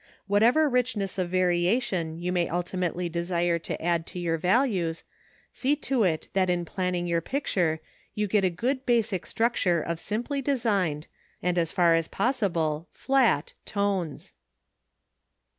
Whatever richness of variation you may ultimately desire to add to your values, see to it that in planning your picture you get a good basic structure of simply designed, and as far as possible flat, tones.